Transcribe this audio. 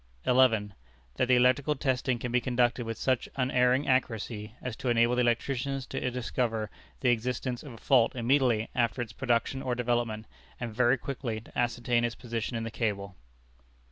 11. That the electrical testing can be conducted with such unerring accuracy as to enable the electricians to discover the existence of a fault immediately after its production or development, and very quickly to ascertain its position in the cable.